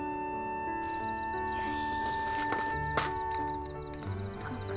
よし。